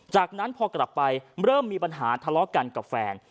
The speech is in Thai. จากนั้นพอกลับไปเริ่มมีปัญหาทะเลาะกันกับแฟน